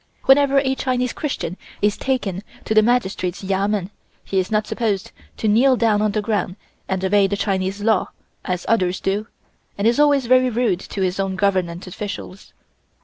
Whenever a Chinese Christian is taken to the Magistrate's Yamen, he is not supposed to kneel down on the ground and obey the Chinese law, as others do, and is always very rude to his own Government Officials.